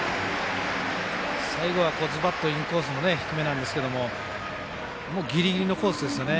最後はズバッとインコースの低めなんですけどギリギリのコースですね。